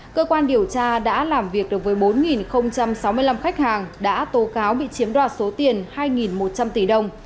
cơ quan điều tra đã làm việc được với bốn sáu mươi năm khách hàng đã tố cáo bị chiếm đoạt số tiền hai một trăm linh tỷ đồng